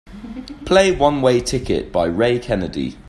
Play One Way Ticket by Ray Kennedy.